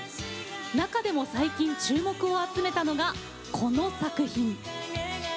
中でも最近、注目を集めたのがこの作品。